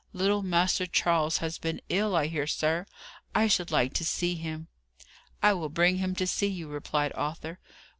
Little Master Charles has been ill, I hear, sir? I should like to see him." "I will bring him to see you," replied Arthur.